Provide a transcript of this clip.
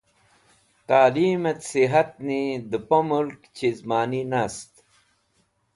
Talimet̃ sihatni dẽ po mulk chi mani nast